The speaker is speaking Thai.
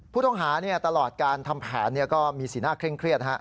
ผู้ต้องหาตลอดการทำแผนก็มีสีหน้าเคร่งเครียด